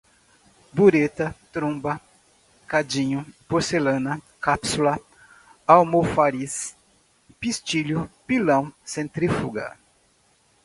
bureta, trompa, cadinho, porcelana, cápsula, almofariz, pistilo, pilão, centrífuga